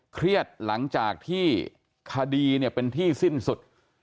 เครียดหลังจากที่คดีเนี่ยเป็นที่สิ้นสุด